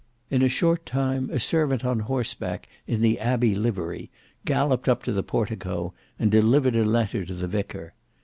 In a short time a servant on horseback in the Abbey livery galloped up to the portico, and delivered a letter to the vicar.